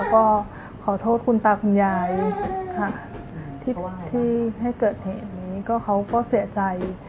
ก็ขอโทษคุณตาคุณยายค่ะที่ให้เกิดเหตุนี้ก็เขาก็เสียใจ